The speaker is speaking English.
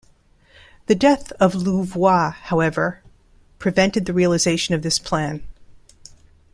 The death of Louvois, however, prevented the realization of this plan.